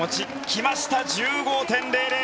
来ました、１５．０００。